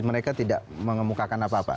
mereka tidak mengemukakan apa apa